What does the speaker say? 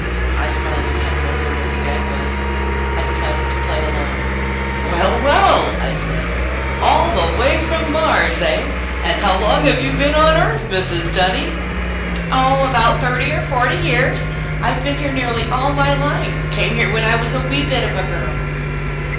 I smiled again, wondering what the gag was. I decided to play along. "Well, well," I said, "all the way from Mars, eh? And how long have you been on Earth, Mrs. Dunny?" "Oh, about thirty or forty years. I've been here nearly all my life. Came here when I was a wee bit of a girl."